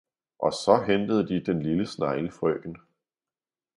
Og saa hentede de den lille Snegle-Frøken.